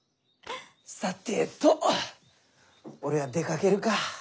さてと俺は出かけるか。